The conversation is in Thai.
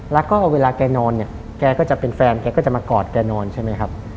แล้วก็เวลาแกนอนเนี่ยแกก็จะเป็นแฟนแกก็จะมากอดแกนอนใช่ไหมครับ